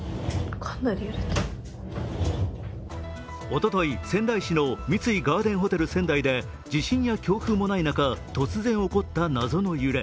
おととい、仙台市の三井ガーデンホテル仙台で地震や強風もない中、突然起こった謎の揺れ。